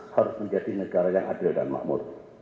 harus menjadi negara yang adil dan makmur